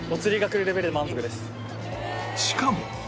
しかも